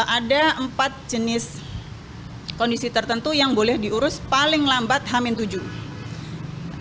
ada empat jenis kondisi tertentu yang boleh diurus paling lambat hamin tujuh